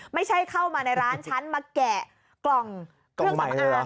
ไม่ใช่เข้ามาในร้านฉันมาแกะกล่องเครื่องสำอาง